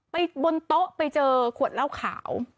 บนโต๊ะไปเจอขวดเหล้าขาว